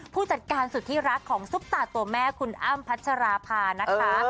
ผู้จัดการสุดที่รักของซุปตาตัวแม่คุณอ้ำพัชราภานะคะ